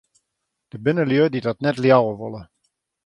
Der binne lju dy't dat net leauwe wolle.